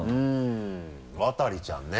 渡ちゃんね。